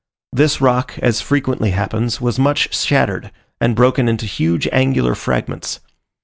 This rock, as frequently happens, was much shattered and broken into huge angular fragments.